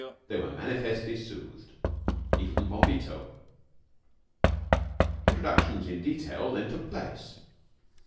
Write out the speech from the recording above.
They were manifestly soothed. Even Bombito. Introductions in detail then took place.